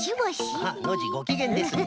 あっノージーごきげんですね。